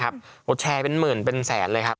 แชร์เป็นหมื่นเป็นแสนเลยครับ